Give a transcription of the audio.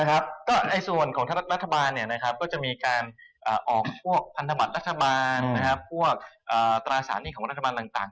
ก็ในส่วนของรัฐบาลก็จะมีการออกพวกพันธบัตรรัฐบาลพวกตราสารหนี้ของรัฐบาลต่าง